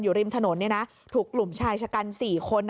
อยู่ริมถนนถูกกลุ่มชายชะกัน๔คน